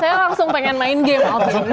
saya langsung pengen main game